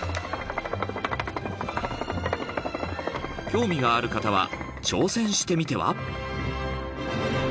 ［興味がある方は挑戦してみては？］